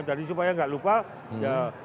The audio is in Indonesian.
jadi supaya nggak lupa ya